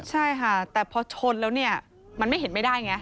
ใช่ค่ะแต่พอชนแล้วเนี่ยมันไม่เห็นไม่ได้ไง